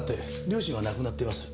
両親は亡くなっています。